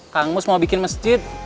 kang mus mau bikin masjid